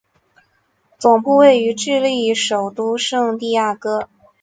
总部位于智利首都圣地亚哥。